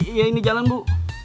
iya ini jalan bu